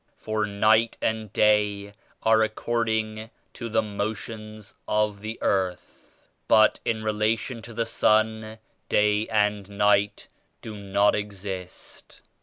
For night and day are according to the motions of the earth but in relation to the sun, day and night do not exist.